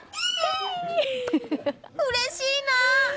うれしいな！